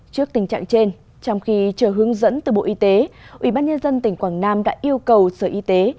trước tình trạng trên trong khi chờ hướng dẫn từ bộ y tế ubnd tỉnh quảng nam đã yêu cầu sở y tế